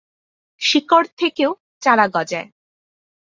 শিকড় থেকেও চারা গজায়।